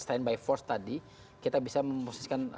stand by force tadi kita bisa memposisikan